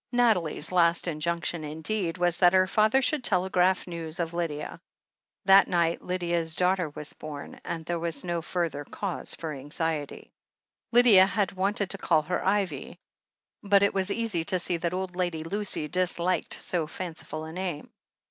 Nathalie's last injunction, indeed, was that her father should telegraph news of Lydia. That night Lydia's daughter was bom, and there was no further cause for anxiety. Lydia had wanted to call her Ivy, but it was easy to see that old Lady Lucy disliked so fanciful a name.